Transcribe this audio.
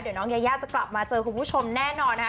เดี๋ยวน้องยายาจะกลับมาเจอคุณผู้ชมแน่นอนนะคะ